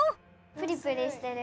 プリプリしてる。